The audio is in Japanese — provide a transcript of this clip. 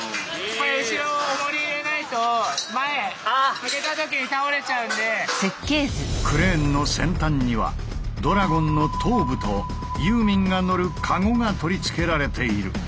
これ後ろクレーンの先端にはドラゴンの頭部とユーミンが乗るカゴが取り付けられている。